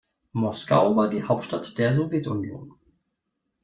Moskau war die Hauptstadt der Sowjetunion.